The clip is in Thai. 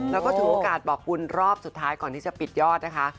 แล้วก็ถือโอกาสบอกบุญรอบสุดท้ายก่อนที่จะปิดยอดนะคะ